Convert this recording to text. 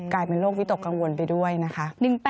กลายเป็นโรควิตกกังวลไปด้วยนะคะ